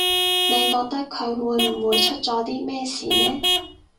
你覺得佢會唔會出咗啲咩事呢